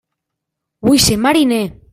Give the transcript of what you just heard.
Vull ser mariner!